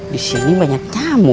disini banyak camu